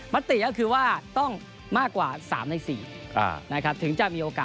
มติก็คือว่าต้องมากกว่า๓ใน๔ถึงจะมีโอกาส